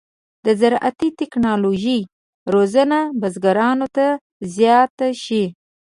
د زراعتي تکنالوژۍ روزنه بزګرانو ته زیاته شي.